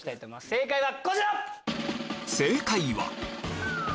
正解は？